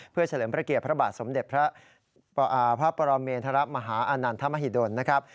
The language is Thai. เพื่อเฉลิมประเกตพระบาทสมเด็จพระพระบรมเมนธรรมหาอานานธรรมฮิโดนนะครับ